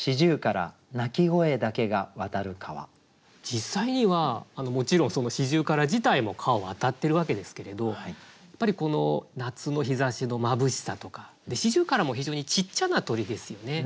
実際にはもちろん四十雀自体も川を渡ってるわけですけれどやっぱりこの夏の日ざしのまぶしさとか四十雀も非常にちっちゃな鳥ですよね。